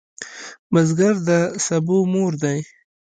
بزګر د سبو مور دی